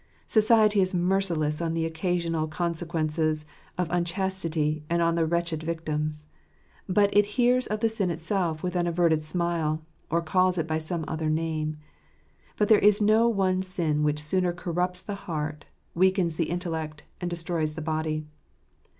Society is merciless on the occasional con sequences of unchastity and on the wretched victims ; but it hears of the sin itself with an averted smile, or calls it by some other name. But there is no one sin which sooner corrupts the heart, weakens the intellect, and destroys the body.